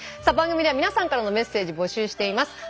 番組では皆さんからのメッセージを募集しています。